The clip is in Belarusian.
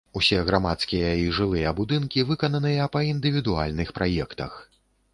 Усе грамадскія і жылыя будынкі выкананыя па індывідуальных праектах.